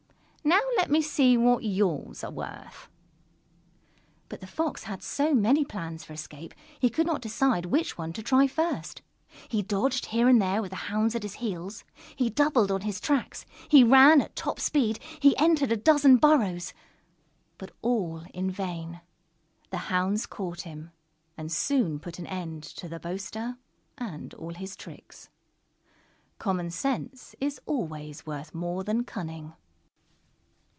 "Now let me see what yours are worth." But the Fox had so many plans for escape he could not decide which one to try first. He dodged here and there with the hounds at his heels. He doubled on his tracks, he ran at top speed, he entered a dozen burrows, but all in vain. The hounds caught him, and soon put an end to the boaster and all his tricks. _Common sense is always worth more than cunning.